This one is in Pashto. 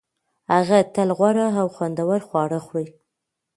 هغه تل غوره او خوندور خواړه خوري